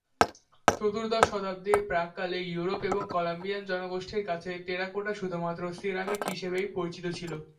চতুর্দশ শতাব্দীর প্রাক কালে ইউরোপ এবং কলম্বিয়ান জনগোষ্ঠীর কাছে টেরাকোটা শুধু মাত্র সিরামিক হিসাবেই পরিচিত ছিল।